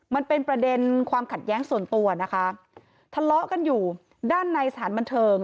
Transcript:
มันเป็นประเด็นความขัดแย้งส่วนตัวนะคะทะเลาะกันอยู่ด้านในสถานบันเทิง